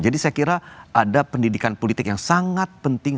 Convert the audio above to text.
jadi saya kira ada pendidikan politik yang sangat penting